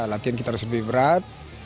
latihan kita harus lebih berat